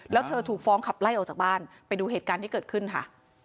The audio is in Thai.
แล้วเธอถูกฟ้องขับไล่ออกจากบ้านไปดูเหตุการณ์ที่เกิดขึ้นค่ะ